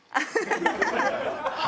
ハハハハ！